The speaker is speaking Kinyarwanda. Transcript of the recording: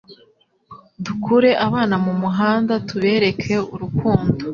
dukure abana mu muhanda tubereke urukundo